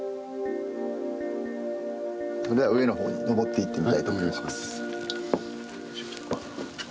では上のほうに登っていってみたいと思います。